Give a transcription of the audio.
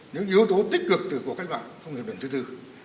những yếu tố tích cực từ cuộc cách mạng công nghiệp lần thứ tư